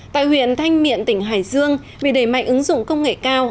tại huyện thanh miện tỉnh hải dương vì đẩy mạnh ứng dụng công nghệ cao